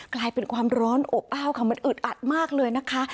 กลายเป็นความร้อนอบอ้าวค่ะมันอึดอัดมากเลยนะคะ